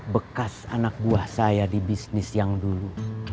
bekas anak buah saya di bisnis yang dulu